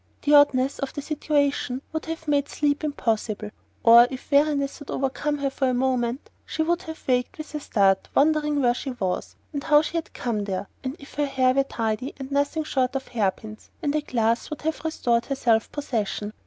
The oddness of the situation would have made sleep impossible, or, if weariness had overcome her for a moment, she would have waked with a start, wondering where she was, and how she had come there, and if her hair were tidy; and nothing short of hairpins and a glass would have restored her self possession...